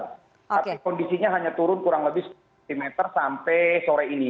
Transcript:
tapi kondisinya hanya turun kurang lebih sepuluh cm sampai sore ini